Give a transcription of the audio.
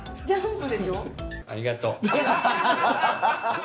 ありがとう。